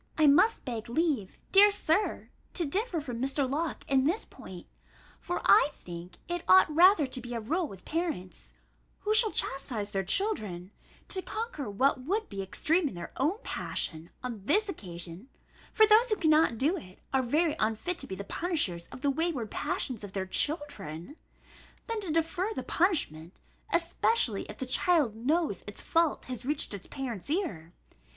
I must beg leave, dear Sir, to differ from Mr. Locke in this point; for I think it ought rather to be a rule with parents, who shall chastise their children, to conquer what would be extreme in their own passion on this occasion (for those who cannot do it, are very unfit to be the punishers of the wayward passions of their children), than to defer the punishment, especially if the child knows its fault has reached its parent's ear.